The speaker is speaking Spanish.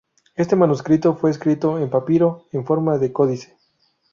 Este manuscrito fue escrito en papiro en forma de códice.